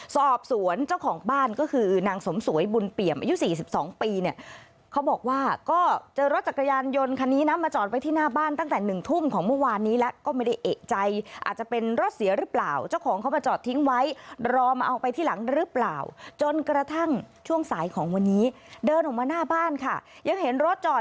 สอบสวนเจ้าของบ้านก็คือนางสมสวยบุญเปี่ยมอายุ๔๒ปีเนี่ยเขาบอกว่าก็เจอรถจักรยานยนต์คันนี้นะมาจอดไว้ที่หน้าบ้านตั้งแต่๑ทุ่มของเมื่อวานนี้แล้วก็ไม่ได้เอกใจอาจจะเป็นรถเสียหรือเปล่าเจ้าของเขามาจอดทิ้งไว้รอมาเอาไปที่หลังหรือเปล่าจนกระทั่งช่วงสายของวันนี้เดินออกมาหน้าบ้านค่ะยังเห็นรถจอด